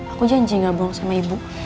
aku janji gak bohong sama ibu